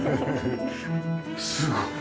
すごい。